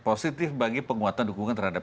positif bagi penguatan dukungan terhadap